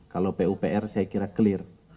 kalau pupr saya kira clear